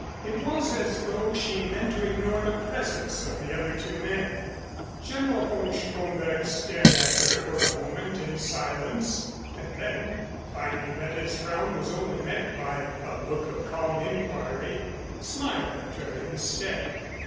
It was as though she meant to ignore the presence of the other two men. General von Stromberg stared at her for a moment in silence, and then, finding that his frown was only met by a look of calm inquiry, smiled at her instead.